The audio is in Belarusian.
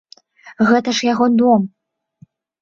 Гэта ж яго дом!